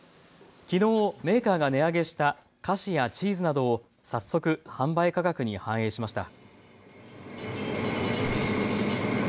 きのうメーカーが値上げした菓子やチーズなどを早速販売価格に反映しました。